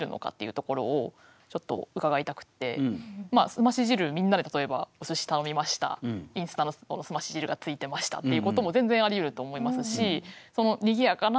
すまし汁みんなで例えばおすし頼みましたインスタントのすまし汁がついてましたっていうことも全然ありうると思いますしにぎやかな光景とも読めてしまう。